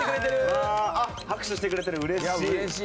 拍手してくれてる、うれしい。